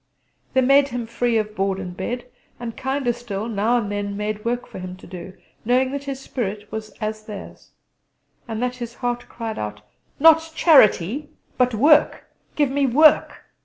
They made him free of board and bed; and, kinder still, now and then made work for him to do, knowing his spirit was as theirs, and that his heart cried out: "Not charity, but work! Give me work!"